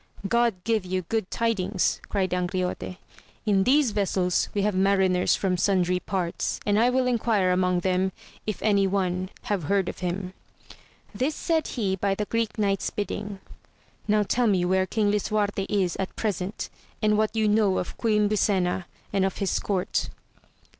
God give J you good tidings, cried Angriote ; in these vessels we have mariners from sundry parts, and I wiU enquire among them if any one have heard of him. This said he by the Greek Knight's bidding. Now tell me where King Lisuarte is at present, and what you know of Queen Brisena, and of his court.